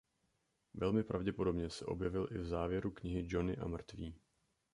Velmi pravděpodobně se objevil i v závěru knihy Johnny a mrtví.